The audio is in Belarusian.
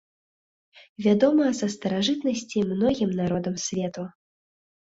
Вядома са старажытнасці многім народам свету.